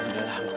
ya allah ambillah